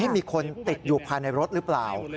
มีคนติดอยู่ภายในรถหรือเปล่า